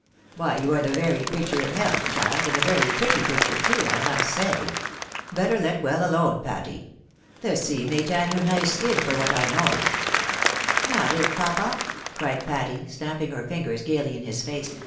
Why you are the very picture of health, child, and a very pretty picture too, I must say. Better let well alone, Patty. The sea may tan your nice skin for what I know." " Not it, papa !" cried Patty, snapping her fingers gaily in his face.